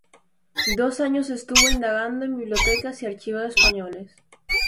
Dos años estuvo indagando en bibliotecas y archivos españoles.